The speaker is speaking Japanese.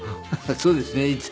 そうですね。